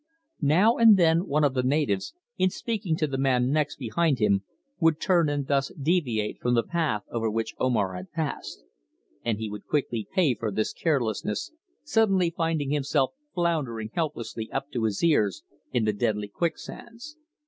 Now and then one of the natives, in speaking to the man next behind him, would turn and thus deviate from the path over which Omar had passed, and he would quickly pay for this carelessness, suddenly finding himself floundering helplessly up to the ears in the deadly quicksands.